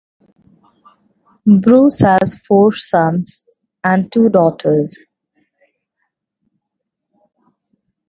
Bruce has four sons and two daughters.